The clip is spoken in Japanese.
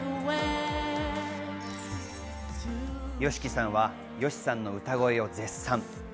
ＹＯＳＨＩＫＩさんは、ＹＯＳＨＩさんの歌声を絶賛。